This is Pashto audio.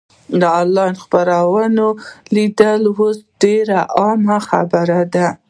د انلاین خپرونو لیدل اوس ډېره عامه خبره ده.